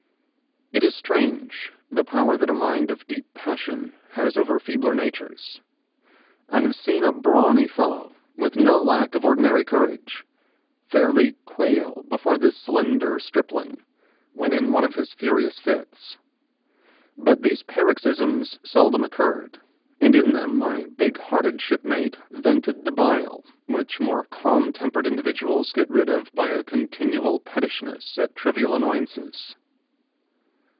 It is strange the power that a mind of deep passion has over feebler natures. I have seen a brawny, fellow, with no lack of ordinary courage, fairly quail before this slender stripling, when in one of his curious fits. But these paroxysms seldom occurred, and in them my big hearted shipmate vented the bile which more calm tempered individuals get rid of by a continual pettishness at trivial annoyances.